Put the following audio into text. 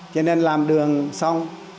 cho nên làm đường xong